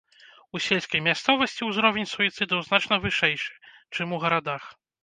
У сельскай мясцовасці ўзровень суіцыдаў значна вышэйшы, чым у гарадах.